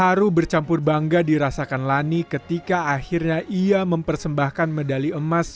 haru bercampur bangga dirasakan lani ketika akhirnya ia mempersembahkan medali emas